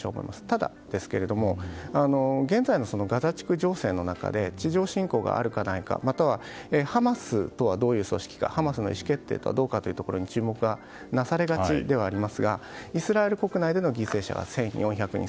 ただ、現在のガザ地区情勢の中で地上侵攻があるかないかまたはハマスとはどういう組織かハマスの意思決定はどうかというところに注目がなされがちですがイスラエル国内での犠牲者が１４００人。